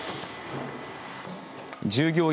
従業員